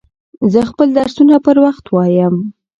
زه خپل درسونه پر وخت وایم.